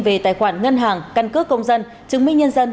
về tài khoản ngân hàng căn cước công dân chứng minh nhân dân